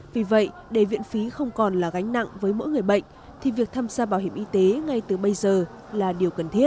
vì vậy để viện phí không còn là gánh nặng với mỗi người bệnh thì việc tham gia bảo hiểm y tế ngay từ bây giờ là điều cần thiết